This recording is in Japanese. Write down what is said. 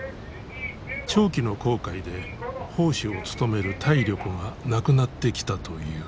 長期の航海で砲手を務める体力がなくなってきたという。